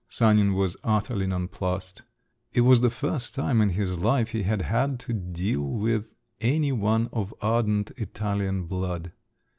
Sanin was utterly nonplussed. It was the first time in his life he had had to deal with any one of ardent Italian blood.